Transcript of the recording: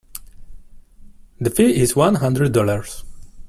The fee is one hundred dollars.